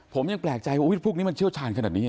ผมยังแปลกใจว่าพวกนี้มันเชี่ยวชาญขนาดนี้